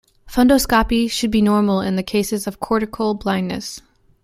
Fundoscopy should be normal in cases of cortical blindness.